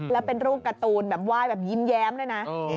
แล้วเป็นรูปการ์ตูนแบบไหว้แบบยิ้มแย้มด้วยนะ